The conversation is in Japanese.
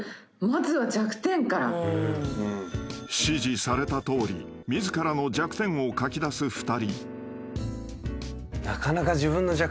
［指示されたとおり自らの弱点を書き出す２人］